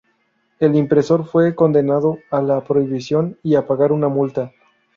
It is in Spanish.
El impresor fue condenado a la prohibición y a pagar una multa.